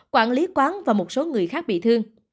quản lý quán và một số người khác bị thương